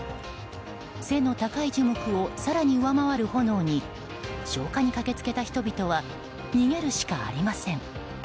背の高い樹木を更に上回る炎に消火に駆け付けた人々は逃げるしかありません。